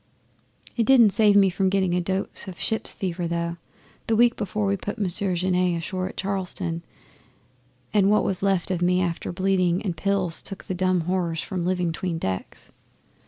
'It didn't save me from getting a dose of ship's fever though, the week before we put Monsieur Genet ashore at Charleston; and what was left of me after bleeding and pills took the dumb horrors from living 'tween decks.